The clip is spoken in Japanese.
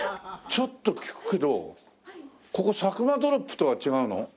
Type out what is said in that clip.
ちょっと聞くけどここサクマドロップとは違うの？